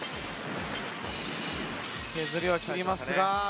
削りきりますが。